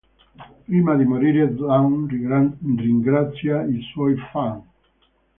Prima di morire, Dawn ringrazia i suoi fan.